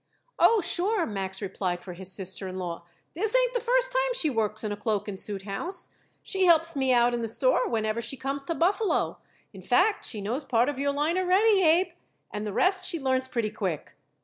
"Oh, sure," Max replied for his sister in law. "This ain't the first time she works in a cloak and suit house. She helps me out in the store whenever she comes to Buffalo. In fact, she knows part of your line already, Abe, and the rest she learns pretty quick."